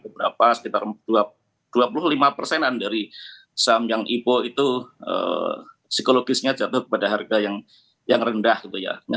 berapa sekitar dua puluh lima persenan dari saham yang ipo itu psikologisnya jatuh kepada harga yang rendah gitu ya